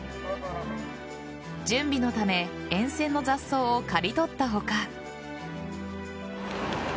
準備のため沿線の雑草を刈り取った他。